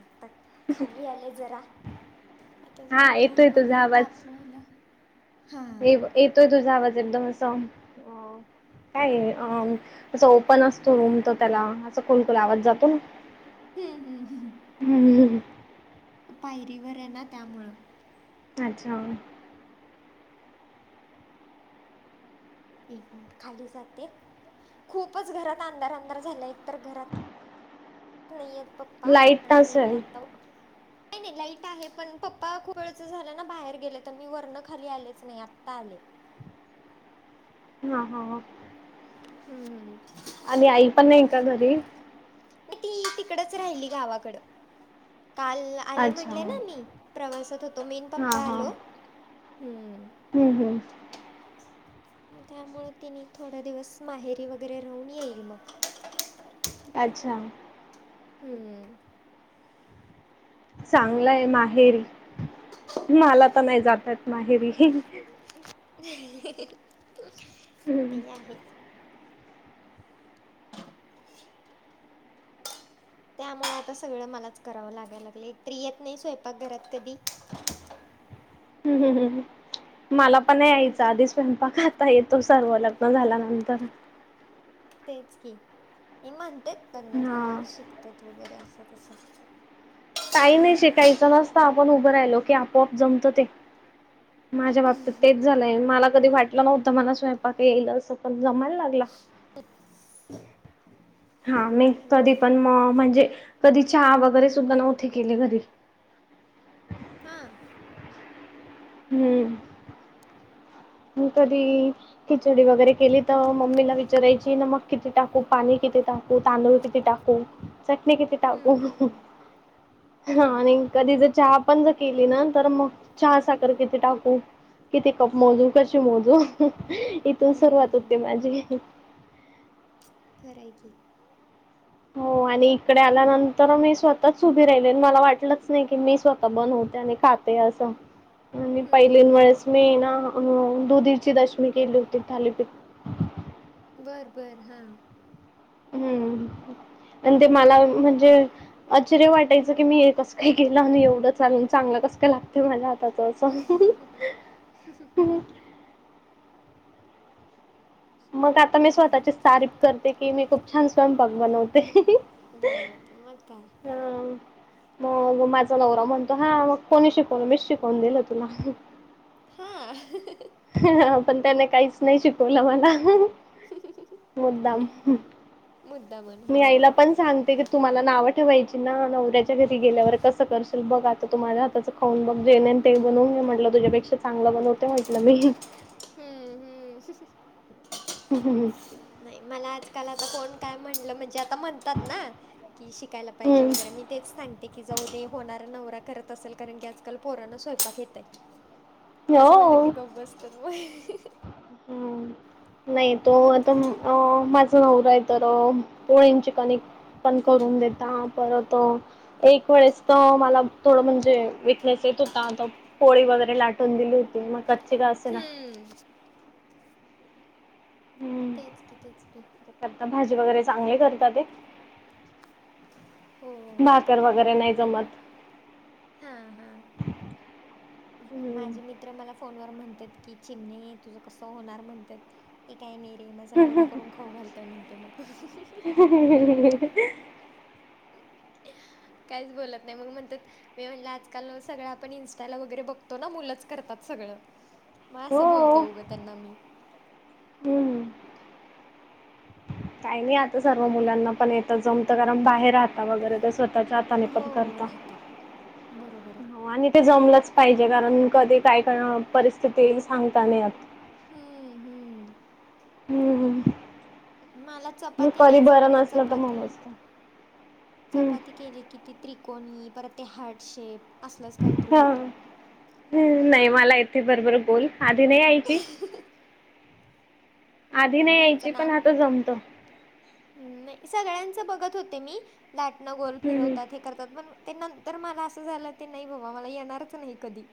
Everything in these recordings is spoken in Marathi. आता खाली आले जरा आता हा जरा दूध येतोय तुझा वगैरे तापवायला हा येव येतोय तुझा आवाज एकदम असा अ काय अ तस ओपन असतो रूम तर त्याला असं कोणकण आवज जातो ना हम्म हम हम हम हम पायरीवर आहे ना, त्यामुळं. अच्छा. एक मिनिट, खाली जाते. खूपच घरात, अंधार-अंधार झाला. एक तर घरात नाहीयेत पप्पा. लाईट आणि नसेल आता नाही.. नाही, लाईट आहे. पण पप्पा खूप वेळचं झालं ना, बाहेर गेलेतं. अणि वरनं खाली आलेच नाही, आत्ता आले. हा.. हा.. हा. हम्म.. हम्. आणि आई पण नाही का घरी? नाही ती, तिकडंच राहिली गावाकडं. काल ला आले अच्छा म्हणले ना मी. प्रवासात होतो, मी न हा पप्पा हा आलो, हम्. हम्म.. हम्. मग त्यामुळं तिनी, थोड्या दिवस माहेरी वगैरे राहून येईल मग. अच्छा. हम्म्. चांगलंय, माहेरी. मला तर, नाही जाता येत माहेरी. ते आहे. त्यामुळे आता, सगळं मलाच करावं लागायं लागलं. एकतरी येत नाही, स्वयंपाक घरात कधी. हम्म.. हम्.. हम्म्. मला पण, नाही ज यायचा आधीच. स्वयंपाक आता येतो सर्व, लग्न झाल्यानंतर. तेच की. हे म्हणतेत लग्न हा झाल्यावर, शिकतात वगैरे असं-तसं. काही, नाही. शिकायचं नसतं आपण उभं राहिलो की, आपोआप जमतं ते. माझ्या बाब त तेच झालंय. मला कधी वाटलं नव्हतं मला स्वयंपाक येईल असं. पण जमायला लागला. [unintelligible] हा. मी मग कधी पण, काय म-म्हणजे कधी चहा वगैरे सुद्धा नव्हते केले घरी. हा? हम्म्. मी कधी? खिचडी वगैरे केली, तवा मम्मीला विचारायची नमक किती टाकू पाणी किती टा ते तांदूळ किती टाकू? चटणी किती टाकू? हम्म हम्म हम्म आणि कधी जर चहा पण जर केली ना, तर मग चहा-साखर किती टाकू? किती कप मोजू? कशी मोजू? इथून सुरुवात होती हम्म माझी. खरं आहे की. हो आणि इकडे आल्यानंतर, मी स्वतःच उभी राहिली. अन मला वाटलंच नाही की, मी स्वतः बनवते आणि खात ते असं. आणि हम्म पहिली वेळेस हम्म मी ना, दुधीची दशमी केली होती, थालीपीठ. बरं.. बरं, हा. हम्म्. अन ते मला म्हणजे आश्चर्य वाटायचं की, मी हे कसं काय केलं? आणि एवढं चालून, चांगलं कसं काय लागतं? माझ्या हाताचं असं. हम.. हम.. हम.. हम. मग आता मी स्वतःची तारीफ करते की, मी खूप बरं. छान स्वयंपाक बनवते. बनवतो, मग काय? हो. मग माझा नवरा म्हणतो, हा. मग कोणी शिकवलं? मीच शिकवून दिलं तुला. हा. हा.. हा. पण त्याने काहीच नाही शिकवलं मला, मुद्दाम. मुद्दा म्हण मी हा आईला पण सांगते कि, तु मला नावं ठेवायची ना? नवऱ्याच्या घरी गेल्यावर कसं करशील? बघ आता तु माझ्या हाताचं खाऊन बघ जे न ते बनवून म्हटलं तुझ्यापेक्षा चांगलं बनवते म्हटलं मी हम्म -हम्म ह ह हं हम नाही मला आजकाल आता कोण काय म्हटलं म्हणजे म्हणतात ना की शिकायला पाहिजे वगरे मी तेच सांग ते की जाऊ दे, होणारा नवरा करत असेल. कारण की आजकाल पोरांना स्वयंपाक येतंय. असं म्हणलं की, हो. गप्प बसतं मग हे. हम. नाही तो आता माझं नवरा आहे तर पोळेंची कनेिक पण करून देता परत एक वेळेस तर मला थोडं म्हणजे विकनेस येत होताता पोळी वगैरे लाटून दिली होती मग कच्ची का असेना हम्म हम्म तेच की तेच की करता भाजी वगैरे चांगले करतात ते हो भाकर वगैरे नाही जमत. हा-हा हम्म माझे मित्र मला फोनवर म्हणतात की चिमणे तुझं कसं होणार म्हणतात. हे काय नाहीे रे, माझा नवरा करून खाऊ घालतोय म्हणते मग ह काहीच बोलत नाही मग म्हणतात मी म्हणलं आजकाल सगळं आपण इंस्टाला वगैरे बघतो ना मुलंच करतात सगळं. मग हो असं बोलते उघं त्यांना मी हम्म काही नाही आता सर्व मुलांना पण येतं जमत कारण बाहेर राहता वगैरे तर स्वतः त्याचा हातने हो पण करता. राहतात बरोबर आहे. हो आणि ते जमलंच पाहिजे कारण कधी काय परिस्थिती येईल सांगता नाही. हम्म हम्म हम्म. मला मग चपाती कधी नाही बरं जमते नसलं तर चपाती. मग असतं. हम्म चपाती केली कि त त्रिकोणी परत ते हार्ट शेप असलंच काहीतरी ह होतंय हम्म नाही मला इथे बरोबर बोल आधी नाही यायची. आधी नाही मी यायची त्याचं ना पण आता जमतं नाही सगळ्यांच बघत होते मी- लाटणं गोल हम्म हम्म फिरवतात हे करतात पण ते नंतर मला असं झालं ते नाही बाबा मला येणारच नाही कधी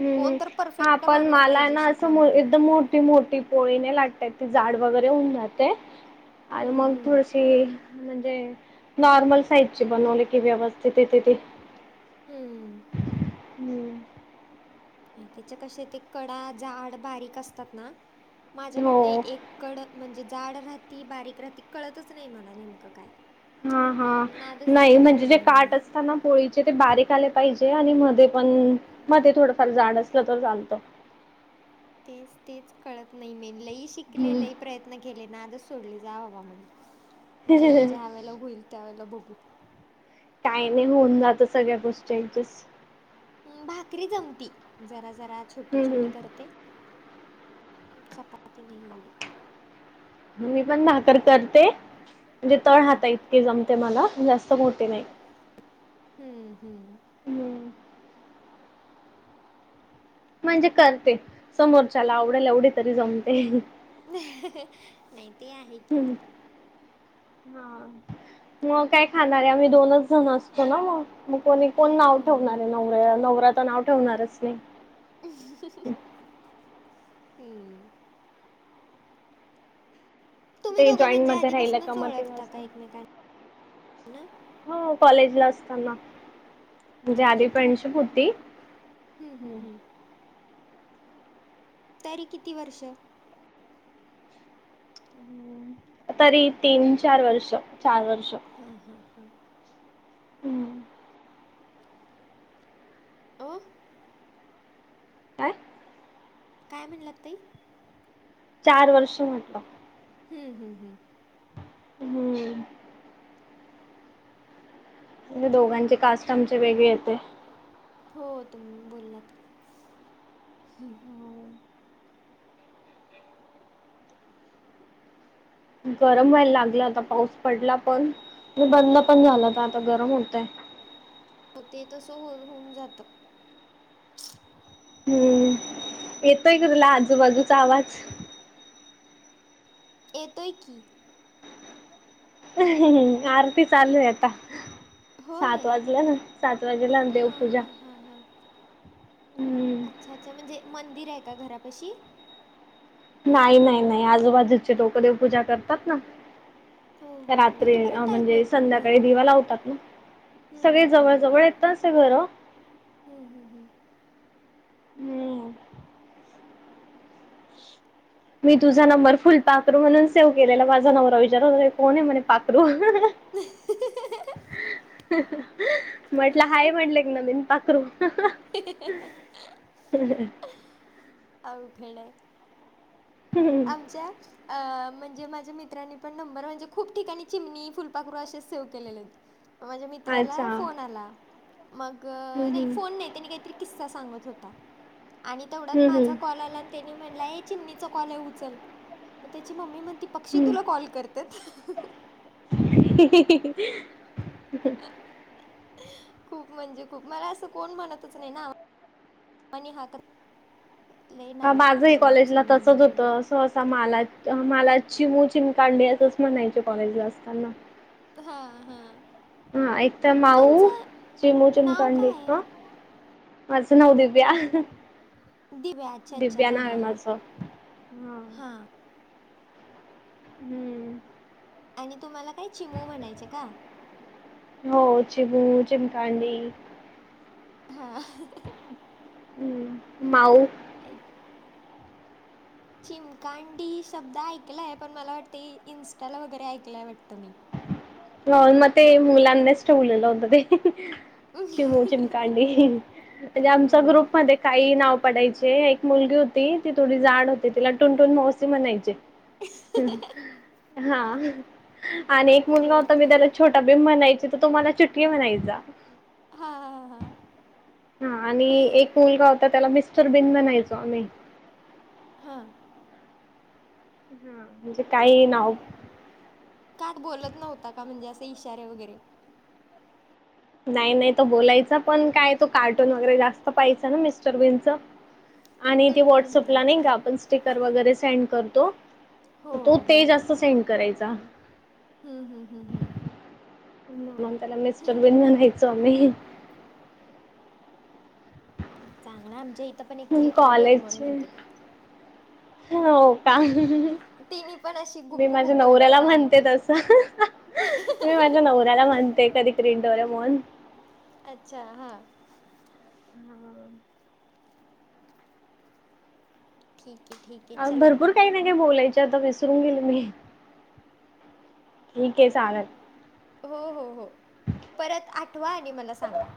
हम्म कोण तर हा परफेक्ट पण माणूस मला आहे पाहिजे ना असं शिकवणारं. एकदम मोठी मोठी पोळीने लाटतात येत मग जाड वगैरे हुन जाते आणि हम्म, मग हम्म, थोडीशी त म्हणजे नॉर्मल साईजची बनवली कि व्यवस्थित आहे तिथी हम्म. हम्म. आणि त्याचे कसे ते कडा जाड बारीक असतात ना माझ्याकडनं हो एक कड म्हणजे जाड राहती बारीक राहती कळतच नाही मला नेमकं काय हा हा नादच नाही दिला म्हणजे जे सोडून मग काठ मी असत ना पोळीचे ते बारीक आले पाहिजे आणि मध्ये पण मध्ये थोडंफार जाड असलं तर चालतं तेच तेच कळत नाही मे लई शिकले हम्म लई प्रयत्न केेले नादच सोडले जा बाबा म्हणलं ज ज्या वेळेला होईल त्यावेेळेला बघू काही नाही होऊन जातं सगळ्या गोष्टींची ऍडजेस्ट हम्म भाकरी जमती जरा जरा छोटी हम्म छोटी हम्म करते. चपाती नाही एवढी. मी पण भाकर करते म्हणजे तळ हम्म हाता इतके जमते मला जास्त मोठे नाही. हम्म हम्म. हम्म म्हणजे करते समोरच्याला आवड्याला एवढी तरी जमते नाही ते आहे की हम्म हा मग काय खाणारे आम्ही दोनच. जण असतो ना मगं मग कोणी कोण नाव हम्म ठेवणार आहे नवऱ्याला नवरा तर नावं ठेवणारच नाही. हम्म. तुम्ही ते दोघं जॉईंट म्हणजे मध्ये राहिलं का आधीपासूनच मग ते ओळखता का मस्त. एकमेकांना हो कॉलेजलाच. त्यांना म्हणजे अच्छा म्हणजे आधी खूप फ्रेंडशिप होती हम्म हम्म हम्म. तरी किती वर्षं? तरी तीन, चार वर्ष चार वर्ष. हम्म हम्म हम्म हम्म. हम्म. काय? काय म्हणंलात ताई? चार वर्ष म्हटलं. हम्म हम्म हम्म. हम्म. दोघांची कास्ट आमची वेगळी येते. हो तुम्ही बोललात, हू. गरम व्हायला लागलं आता पाऊस पडला पण, बंद पण झाला तर आता गरम होतंय. होते तसं हो होऊन जातं. हम्म येतोय का तुला आजूबाजूचा आवाज? येतोय की. आरती चालू आहे आता. सात होय वाजल ना, सात वाजेला देवपूजा हा हा, हम्म अच्छा अच्छा म्हणजे मंदिर आहे का घरापशी? नाही नाही नाही आजूबाजूचे लोक देवपूजा करतात ना हो हो हो रात्री इथपर्यंत ऐकू म्हणजे येतं मग संध्याकाळी दिवा घरापर्यंत लावतात ना हम्म सगळी हम्म हम्म जवळ जवळ हम्म. येतच आहे घरं हम्म हम्म हम्म. हम्म. मी तुझा नंबर फुलपाखरू म्हणून सेव्ह केलेला, माझा नवरा विचारत होता हे कोण आहे म्हणे पाखरू? [inaudible] म्हटलं हाय मग म्हटलं एक नवीन पाखरू. अवघड हाय. [inaudible] आमच्यात अ म्हणजे माझ्या मित्रांनी पण नंबर म्हणजे खूप ठिकाणी चिमणी, फुलपाखरू असेच सेव्ह केलेले आहेत माझ्या अच्छा मित्राला फोन हम्म आला, मग नाही हम्म. फोन नाही त्यांनी काहीतरी किस्सा सांगत होता, आणि तेवढ्यात हम्म माझा हम्म कॉल आला आणि तेनी म्हणला ए चिमणीचा कॉल आहे उचल उचल मग त्याची मम्मी म्हणती पक्षी तुला कॉल करत्यात? [inaudible] [inaudible] खूप म्हणजे खूप मला अस कोण म्हणतच नाही ना, आणि हा तर हा माझ ही कॉलेजला चिमणी तसच हे होतं असं मलाच मला चिमू चिमकांडी असंच म्हणायचे कॉलेजला असताना. हां हां. हा एक तर माऊ तुमचं चिमू नाव काय चिमकांडी आहे? माझं नाव दिव्या. दिव्या अच्छा अच्छा दिव्या हा नाव आहे हा हा माझं हा. हम्म. आणि तुम्हाला काय चिमू म्हणायचे का? हो चिमू, चिमकांडी. हां. हम् माऊ एक चिमकांडी शब्द ऐकलाय पण मला वाटतं इन्स्टाला वगैरे ऐकलंय वाटतं मी. हो म तेे मुलानीच ठेवलेलं होत ते चिमु, चिमकांडी. म्हणजे आमचा हम्म ग्रुप मध्ये काहीही नाव पडायचे, एक मुलगी होती ती थोडी जाड होती ते तिला टून टुन मा वशी म्हणायचे, हा आणि एक मुलगा बर मी त्याला छोटा भीम म्हणायची तर तो मला चुटिया म्हणायचा. हा हा. हा आणि एक मुलगा होता त्याला मिस्टर बिन बनायचो आम्ही. हां. हा म्हणजे काही नाव. काठ बोलत नव्हता का म्हणजे असे इशारे वगैरे. नाही नाही तो बोलायच पण काय तो कार्टून वगैरे जास्त पाहायचं ना मिस्टर बिनच. आणि ती हम्म हम्म व्हॉट्सअपला अच्छा. नाही का आपण स्टिकर वगैरे सेंड करतो. हो तो हो ते जास्त सेंड करायचा हम्म हम्म हम्म हम्म. मग त्याला मिस्टर बिन म्हणायचो आम्ही. चांगलं आमच्या इथं पण एक मुली तिला डोरीमन कॉलेज म्हणतात. हो का. तिनी पण अशी मी गुब्बू माझ्या गुब्बू आहे ना नवऱ्याला त्यामुळं म्हणते तसं. मी माझ्या नवऱ्याला म्हणते कधी कधी डोरिमोन. अच्छा हां. हा. ठीक आहे ठीक आहे चलो. भरपूर काही नाही काय बोलायचे आता विसरून गेली मी. ठीक आहे चालेल. हो हो हो परत आठवा आणि मला सांगा.